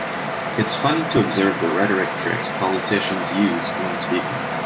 It's funny to observe the rhetoric tricks politicians use when speaking.